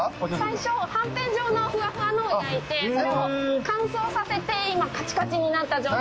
最初はんぺん状のふわふわのを焼いて、それを乾燥させて今かちかちになった状態。